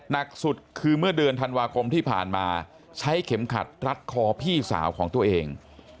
หนักสุดคือเมื่อเดือนธันวาคมที่ผ่านมาใช้เข็มขัดรัดคอพี่สาวของตัวเอง